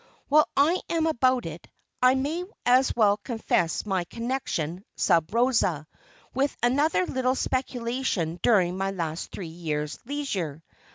While I am about it, I may as well confess my connection, sub rosa, with another little speculation during my three years' "leisure."